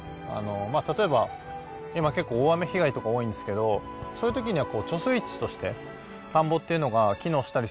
例えば今結構大雨被害とか多いんですけどそういうときには。